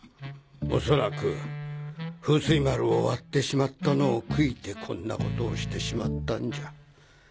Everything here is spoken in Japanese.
おそらく風水丸を割ってしまったのを悔いてこんなことをしてしまったんじゃ。